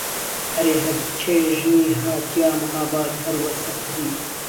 ئهرێ ههرچێ ژنی ها تیا مههاباد ههر وەسە پەری